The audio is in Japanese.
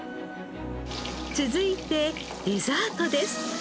続いてデザートです。